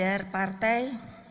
seluruh kader partai